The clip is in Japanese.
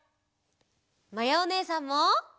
まやおねえさんも！